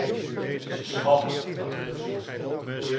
Het is een schande dat dat gebeurt!